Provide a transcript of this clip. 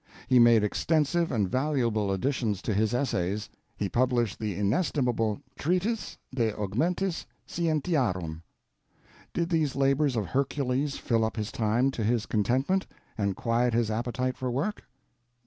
He made extensive and valuable additions to his Essays. He published the inestimable Treatise De Augmentis Scientiarum. Did these labors of Hercules fill up his time to his contentment, and quiet his appetite for work?